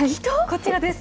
こちらです。